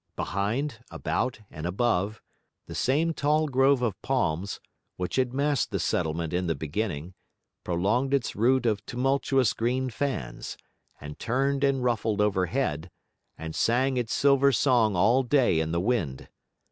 Behind, about, and over, the same tall grove of palms, which had masked the settlement in the beginning, prolonged its root of tumultuous green fans, and turned and ruffled overhead, and sang its silver song all day in the wind.